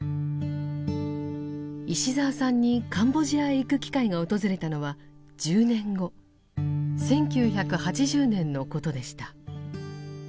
石澤さんにカンボジアへ行く機会が訪れたのは１０年後１９８０年のことでした。